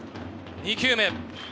２球目。